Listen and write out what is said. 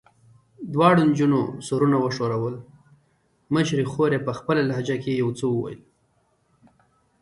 دواړو نجونو سرونه وښورول، مشرې خور یې په خپله لهجه کې یو څه وویل.